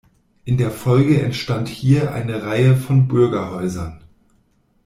In der Folge entstand hier eine Reihe von Bürgerhäusern.